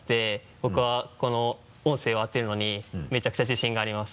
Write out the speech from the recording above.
僕はこの音声を当てるのにめちゃくちゃ自信があります。